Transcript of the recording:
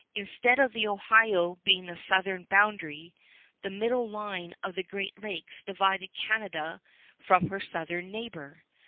Instead of the Ohio being the southern boundary, the middle line of the Great Lakes divided Canada from her southern neighbor.